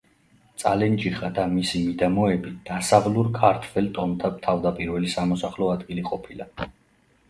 წალენჯიხა და მისი მიდამოები დასავლურ ქართველ ტომთა თავდაპირველი სამოსახლო ადგილი ყოფილა.